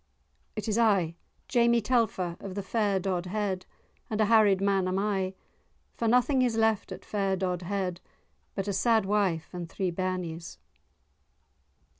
"It is I, Jamie Telfer, of the fair Dodhead, and a harried man am I, for nothing is left at fair Dodhead but a sad wife and three bairnies."